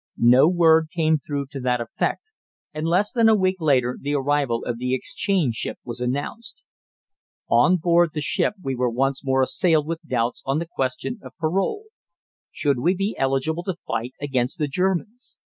No word came through to that effect, and less than a week later the arrival of the exchange ship was announced. On board the ship we were once more assailed with doubts on the question of parole. Should we be eligible to fight against the Germans?